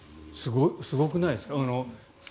すごくないですか？